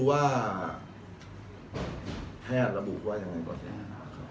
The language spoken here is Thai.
ก็ต้องดูว่าแท่ระบุว่ายังไงก่อน